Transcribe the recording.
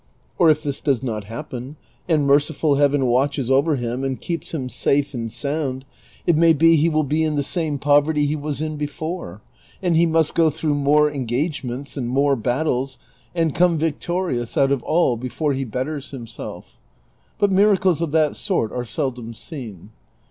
Or if this does not happen, and merciful Heaven watches over him and keeps him safe and sound, it may be he will be in the same poverty he was in before, and he must go through more en gagements and more battles, and come victorious out of all CHAPTER XXXV II I. 327 before he betters himself ; but miracles of that sort are seldom seen.